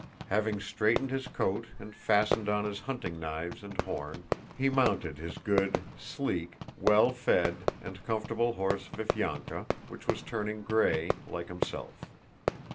Having straightened his coat and fastened on his hunting knives and horn, he mounted his good, sleek, well fed, and comfortable horse, Viflyánka, which was turning gray, like himself.